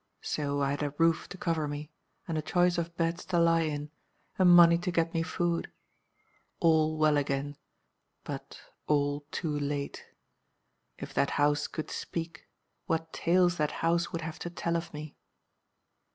So I had a roof to cover me, and a choice of beds to lie on, and money to get me food. All well again but all too late. If that house could speak, what tales that house would have to tell of me!